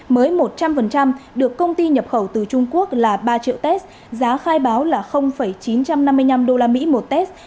mới một trăm linh được công ty nhập khẩu từ trung quốc là ba triệu test giá khai báo là chín trăm năm mươi năm usd một test